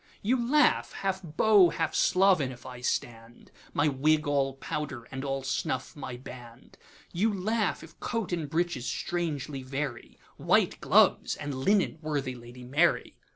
You laugh, half Beau, half Sloven if I stand, My wig all powder, and all snuff my band; You laugh if coat and breeches strangely vary, White gloves, and linen worthy Lady Mary!